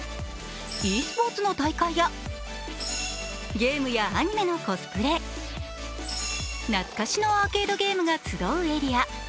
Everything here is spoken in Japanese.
ｅスポーツの大会や、ゲームやアニメのコスプレ、懐かしのアーケードゲームが集うエリア。